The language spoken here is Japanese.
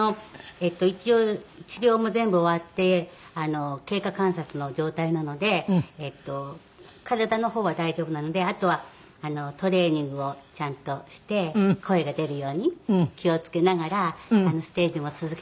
一応治療も全部終わって経過観察の状態なので体の方は大丈夫なのであとはトレーニングをちゃんとして声が出るように気を付けながらステージも続けてます。